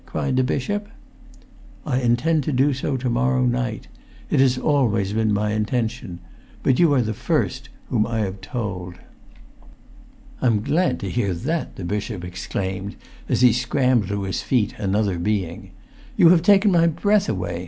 cried the bishop. "I intend to do so to morrow night. It always has been my intention. But you are the first whom I have told." "I'm glad to hear that!" the bishop exclaimed, as[Pg 383] he scrambled to his feet another being. "You have taken my breath away!